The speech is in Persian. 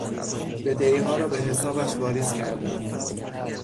بدهیها را به حسابش واریز کردند.